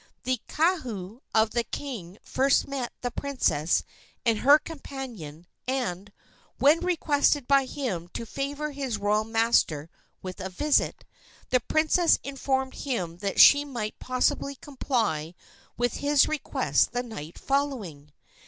The kahu of the king first met the princess and her companion, and, when requested by him to favor his royal master with a visit, the princess informed him that she might possibly comply with his request the night following.